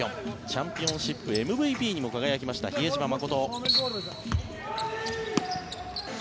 チャンピオンシップＭＶＰにも輝いた比江島慎。